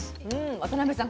渡辺さん